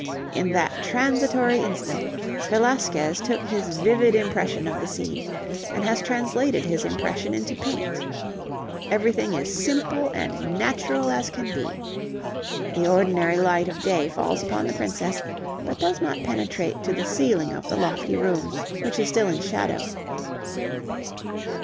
In that transitory instant, Velasquez took his vivid impression of the scene, and has translated his impression into paint. Everything is simple and natural as can be. The ordinary light of day falls upon the princess, but does not penetrate to the ceiling of the lofty room, which is still in shadow.